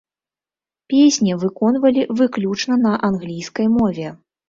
Песні выконвалі выключна на англійскай мове.